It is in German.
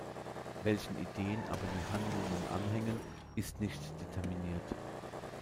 Welchen Ideen aber die Handelnden anhängen, ist nicht determiniert.